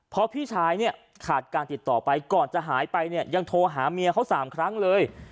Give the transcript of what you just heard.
เพราะพี่ชายเนี่ยขาดการติดต่อไปก่อนจะหายไปเนี่ยยังโทรหาเมียเขา๓ครั้งเลย